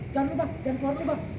jangan keluar dulu pak